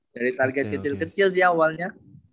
dari target kecil kecil sih awalnya